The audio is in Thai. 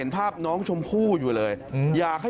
ก็ตอบได้คำเดียวนะครับ